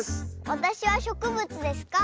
わたしはしょくぶつですか？